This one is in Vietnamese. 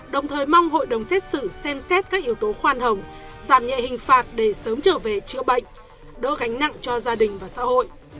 đồng thời mong hội đồng xét xử xem xét các yếu tố khoan hồng giảm nhẹ hình phạt để sớm trở về chữa bệnh đỡ gánh nặng cho gia đình và xã hội